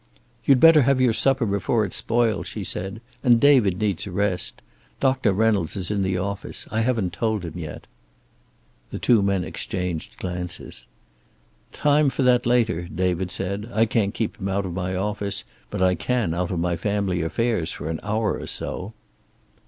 "You'd better have your supper before it spoils," she said. "And David needs a rest. Doctor Reynolds is in the office. I haven't told him yet." The two men exchanged glances. "Time for that later," David said. "I can't keep him out of my office, but I can out of my family affairs for an hour or so."